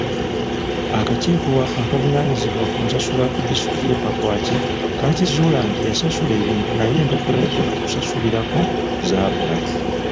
Akakiiko akavunaanyizibwa ku nsaasaanya ku disitulikiti y'e Pakwach kaakizuula nti yasasula ebintu naye empapula z'okusasulirako zaabula.